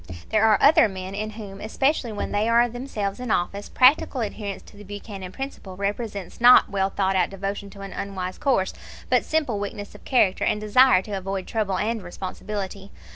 There are other men in whom, especially when they are themselves in office, practical adherence to the Buchanan principle represents not well thought out devotion to an unwise course, but simple weakness of character and desire to avoid trouble and responsibility.